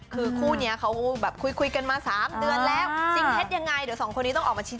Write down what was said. หรือเหมือนยังไง